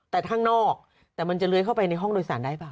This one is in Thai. แต่ข้างนอกแต่มันจะเลื้อยเข้าไปในห้องโดยสารได้เปล่า